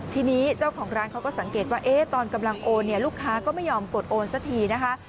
ทีนี้เจ้าของร้านเขาก็สังเกตว่าตอนกำลังโอนเนี่ยลูกค้าก็ไม่ยอมกดโอนสักทีนะคะ